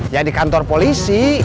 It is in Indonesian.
ya di kantor polisi